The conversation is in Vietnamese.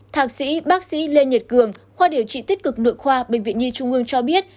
thạc sĩ bác sĩ lê nhật cường khoa điều trị tích cực nội khoa bệnh viện nhi trung ương cho biết